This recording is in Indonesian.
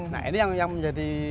nah ini yang menjadi